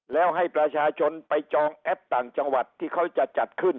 แล้วให้ประชาชนไปจองแอปต่างจังหวัดที่เขาจะจัดขึ้น